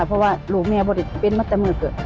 เพราะว่าลูกแมวบอกว่าเป็นมาตั้งเมื่อเกิน